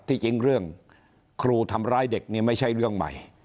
จริงเรื่องครูทำร้ายเด็กนี่ไม่ใช่เรื่องใหม่